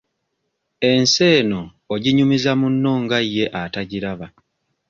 Ensi eno oginyumiza munno nga ye atagiraba.